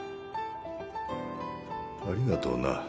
ありがとうな。